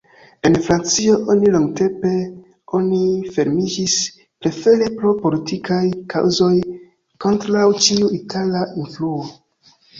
En Francio oni longtempe oni fermiĝis, prefere pro politikaj kaŭzoj, kontraŭ ĉiu itala influo.